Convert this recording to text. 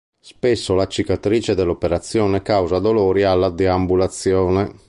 Spesso la cicatrice dell’operazione causa dolori alla deambulazione.